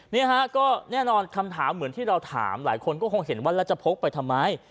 นี่ฮะก็แน่นอนคำถามเหมือนที่เราถามหลายคนก็คงเห็นว่าแล้วจะพกไปทำไม